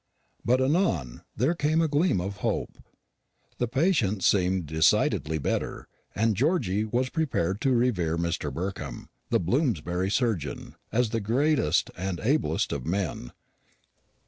But anon there came a gleam of hope. The patient seemed decidedly better; and Georgy was prepared to revere Mr. Burkham, the Bloomsbury surgeon, as the greatest and ablest of men.